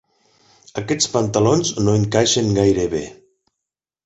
Aquests pantalons no encaixen gaire bé.